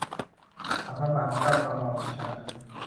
ฝ่าพระบาท เกล้ากระหม่อมฉัน